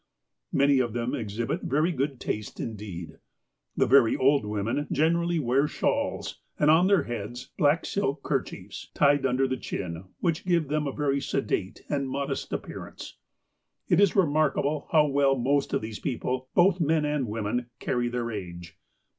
Many of them exhibit very good taste, indeed. The very old women generally wear shawls, and on their heads black silk kerchiefs, tied under the chin, which give them a very sedate and modest appearance. It is remarkable how well most of these people, both men and women, carry their age.